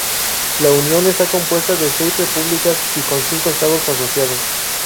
La Unión está compuesta de seis repúblicas y con cinco estados asociados.